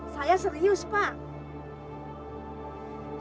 saya serius pak